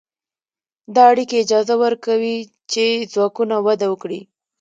دا اړیکې اجازه ورکوي چې ځواکونه وده وکړي.